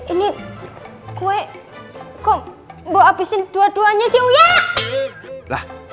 ini gue kok abisin dua duanya sih